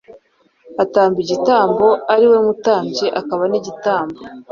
atamba igitambo, ari we mutambyi akaba n’igitambo.